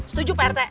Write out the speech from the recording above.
setuju pak rt